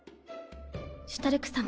シュタルク様。